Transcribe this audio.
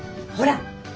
ほら！